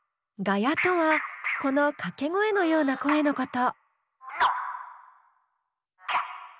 ガヤとはこの掛け声のような声のこと。